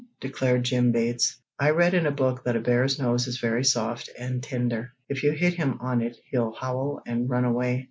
declared Jim Bates. "I read in a book that a bear's nose is very soft and tender, and if you hit him on it he'll howl, and run away."